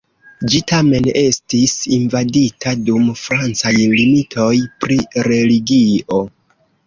Ĝi tamen estis invadita dum francaj militoj pri religio.